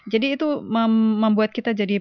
jadi itu membuat kita jadi